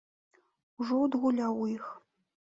Ужо адгуляў у іх.